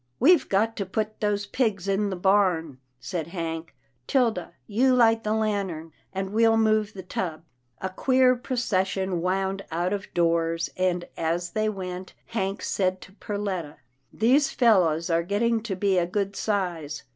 " We've got to put those pigs in the barn," said Hank. " 'Tilda, you light the lantern, and we'll move the tub." A queer procession wound out of doors, and, as they went, Hank said to Perletta, " These fellows are getting to be a good size.